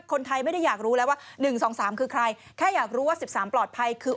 โอ๊ยตื่นเต้นมาก